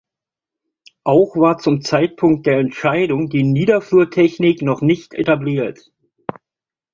Auch war zum Zeitpunkt der Entscheidung die Niederflurtechnik noch nicht etabliert.